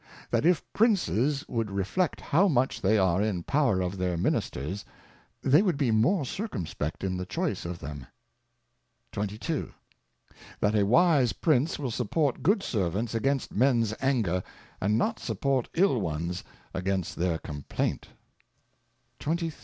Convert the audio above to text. That if Princes would Reflect how much they are in the Power of their Ministers, they would be more circumspect in the Choice of them. 32. That a wise Prince will support good Servants against Mens Anger, and not support ill ones against their Comp laint . 33.